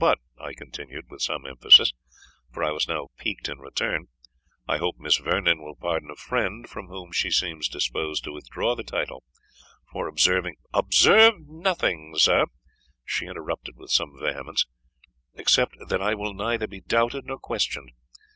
But," I continued, with some emphasis, for I was now piqued in return, "I hope Miss Vernon will pardon a friend, from whom she seems disposed to withdraw the title, for observing" "Observe nothing, sir," she interrupted with some vehemence, "except that I will neither be doubted nor questioned.